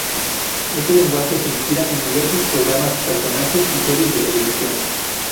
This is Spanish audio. Este lenguaje se inspira en diversos programas, personajes y series de televisión.